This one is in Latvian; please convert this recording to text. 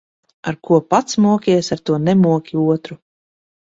Ar ko pats mokies, ar to nemoki otru.